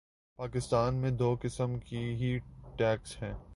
پاکستان میں دو قسم کے ہی ٹیکس ہیں۔